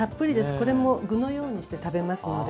これも具のようにして食べますので。